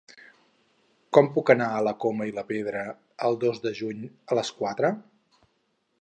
Com puc anar a la Coma i la Pedra el dos de juny a les quatre?